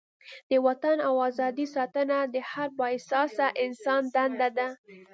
د وطن او ازادۍ ساتنه د هر با احساسه انسان دنده ده.